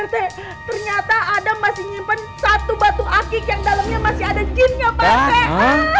pak rt ternyata adam masih nyimpen satu batu akik yang dalamnya masih ada jinnya pak rt